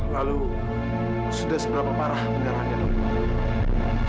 lalu sudah seberapa parah pendarahannya dokter